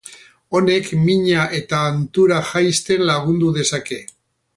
Honek mina eta hantura jaisten lagundu dezake.